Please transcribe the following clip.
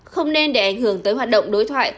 không nên để ảnh hưởng tới hoạt động đối thoại